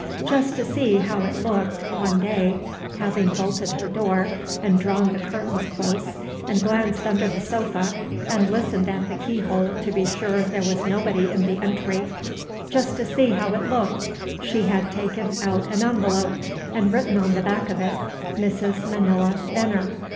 Just to see how it looked, one day, having bolted her door, and drawn the curtains close, and glanced under the sofa, and listened at the keyhole to be sure there was nobody in the entry, just to see how it looked, she had taken out an envelope and written on the back of it Mrs. Manilla Veneer.